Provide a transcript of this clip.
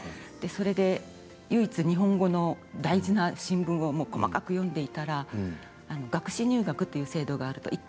で、それで唯一日本語の大事な新聞を細かく読んでいたら学士入学っていう制度があると。